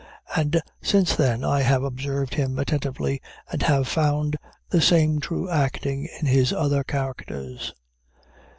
And since then, I have observed him attentively, and have found the same true acting in his other characters.